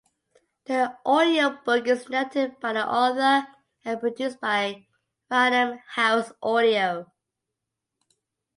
The audiobook is narrated by the author and produced by Random House Audio.